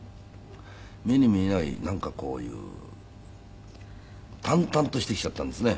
目に見えないなんかこういう淡々としてきちゃったんですね。